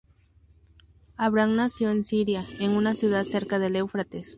Abraham nació en Siria, en una ciudad cerca del Éufrates.